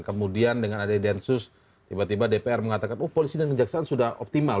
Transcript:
kemudian dengan ada densus tiba tiba dpr mengatakan oh polisi dan kejaksaan sudah optimal